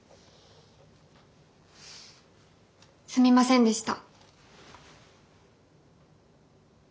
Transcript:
すみませんでした。